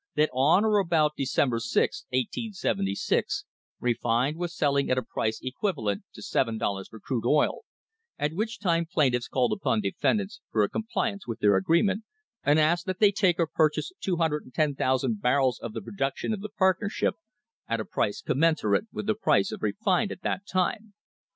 That on or about December 16, 1876, refined was selling at a price equivalent to seven dollars for crude oil, at which time plaintiffs called upon defendants for a com pliance with their agreement, and asked that they take or purchase 210,000 barrels of the production of the partnership at a price commensurate with the price of refined at the time.